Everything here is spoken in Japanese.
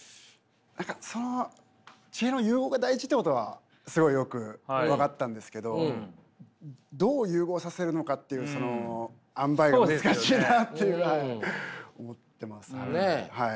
何かその地平の融合が大事ってことはすごいよく分かったんですけどどう融合させるのかっていうそのあんばいが難しいなっていう思ってますかねはい。